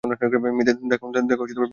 দেখ মেয়েরা কিভাবে কাপড় পরেছে।